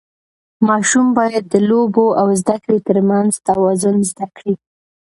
ماشوم باید د لوبو او زده کړې ترمنځ توازن زده کړي.